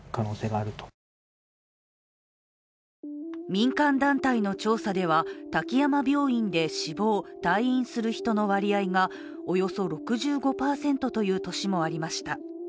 民間団体の調査では、滝山病院で死亡・退院する人の割合がおよそ６５％という年もありました。